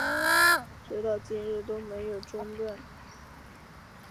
直到今日都没有中断